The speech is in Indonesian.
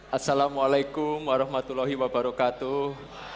assalamualaikum warahmatullahi wabarakatuh